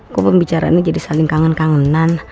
kok pembicaraannya jadi saling kangen kangenan